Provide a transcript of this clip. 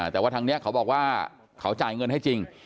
แต่ว่าทางนี้เขาบอกว่าเขาจ่ายเงินให้จริง